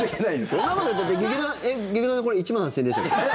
そんなこといったって劇団さん、これ１万８０００円でしたっけ。